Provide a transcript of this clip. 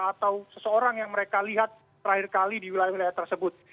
atau seseorang yang mereka lihat terakhir kali di wilayah wilayah tersebut